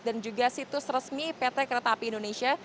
dan juga situs resmi pt kereta api indonesia